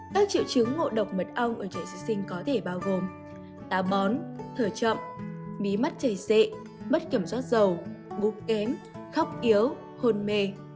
các triệu chứng ngộ độc mật ong ở trẻ sơ sinh có thể bao gồm táo bón thở chậm mí mắt chảy xệ mất kiểm soát dầu bút kém khóc yếu hôn mê